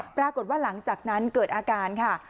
ปรากฏว่าหลังจากนั้นเกิดอาการค่ะ